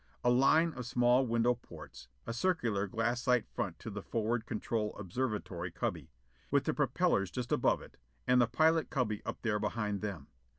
A line of small window portes; a circular glassite front to the forward control observatory cubby, with the propellors just above it, and the pilot cubby up there behind them.